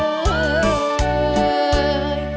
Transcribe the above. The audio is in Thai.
กลับมาท่าน